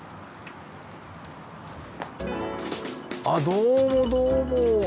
どうもどうも。